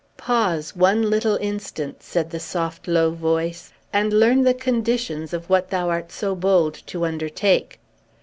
"Pause, one little instant," said the soft, low voice, "and learn the conditions of what thou art so bold to undertake.